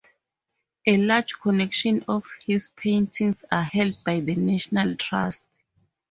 A large collection of his paintings are held by the National Trust.